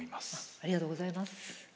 ありがとうございます。